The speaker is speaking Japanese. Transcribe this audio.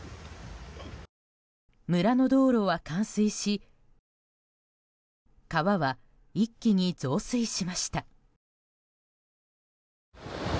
村の道路は冠水し川は一気に増水しました。